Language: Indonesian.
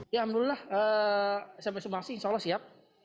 alhamdulillah smp sumbangsi insya allah siap